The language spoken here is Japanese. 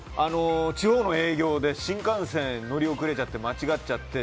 地方の営業で新幹線乗り遅れちゃって間違っちゃって。